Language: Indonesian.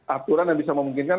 aturan yang bisa memungkinkan